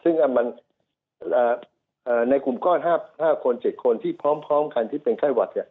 ซึ่งในกลุ่มก้อน๕คน๗คนที่พร้อมกันที่เป็นไข้หวัด